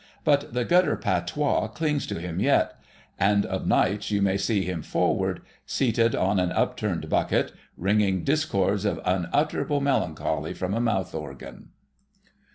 But the gutter patois clings to him yet: and of nights you may see him forward, seated on an upturned bucket, wringing discords of unutterable melancholy from a mouth organ.